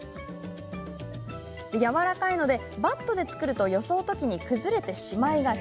やわらかいので、バットで作るとよそうときに崩れてしまいがち。